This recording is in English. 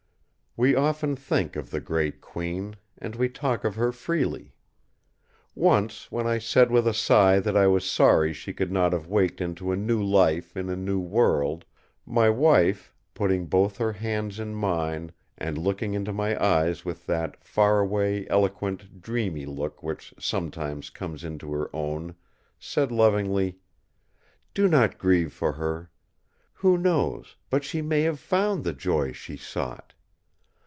We often think of the great Queen, and we talk of her freely. Once, when I said with a sigh that I was sorry she could not have waked into a new life in a new world, my wife, putting both her hands in mine and looking into my eyes with that far away eloquent dreamy look which sometimes comes into her own, said lovingly: "Do not grieve for her! Who knows, but she may have found the joy she sought?